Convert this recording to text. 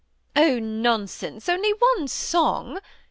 " Oh, nonsense, only one song